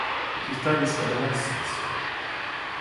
He studies adolescence.